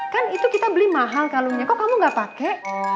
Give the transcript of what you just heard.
kan itu kita beli mahal kalungnya kok kamu gak pakai